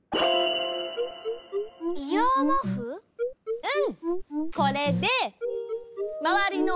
うん。